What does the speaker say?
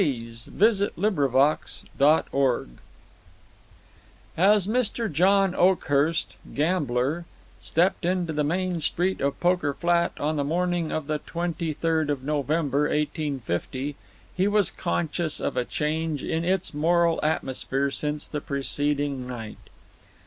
THE OUTCASTS OF POKER FLAT As Mr. John Oakhurst, gambler, stepped into the main street of Poker Flat on the morning of the twenty third of November, 1850, he was conscious of a change in its moral atmosphere since the preceding night.